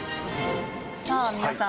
さあ皆さん